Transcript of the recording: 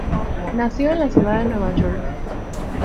Nació en la ciudad de Nueva York.